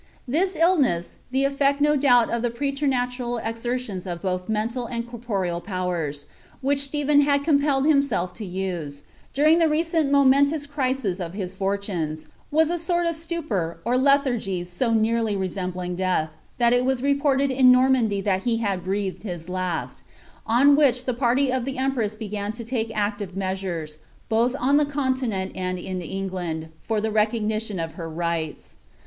This illness, the efiect no doubt of the preternatural exertions of both mental and corporeal powers, which Stephen had compelled himself to use, during the recent momentous crisis of his fortunes, was a sort of stupor, or lethargy so nearly resembling death, that it was reported in Normandy that he had breathed his last ; on which the party of the empress began to take active measures, both on the continent and in England, for the recognition of her rights.